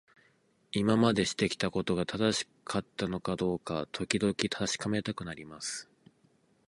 今までしてきたことが正しかったのかどうか、時々確かめたくなります。